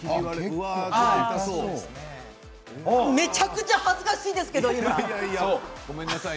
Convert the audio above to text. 今、めちゃくちゃ恥ずかしいけど。